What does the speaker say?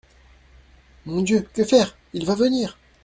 Mon Dieu, que faire !… il va venir.